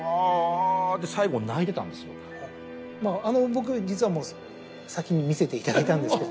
僕実はもう先に見せていただいたんですけど。